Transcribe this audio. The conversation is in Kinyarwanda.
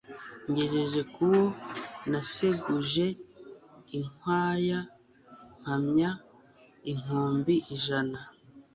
Ngejeje k'uwo naseguje inkwaya, mpamya inkumbi ijana.